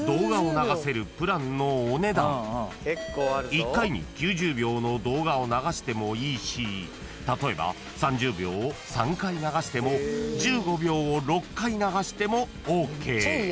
［１回に９０秒の動画を流してもいいし例えば３０秒を３回流しても１５秒を６回流してもＯＫ］